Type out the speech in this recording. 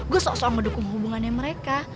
gua sok sok ngedukung hubungannya mereka